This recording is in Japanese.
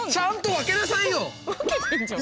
分けてんじゃん。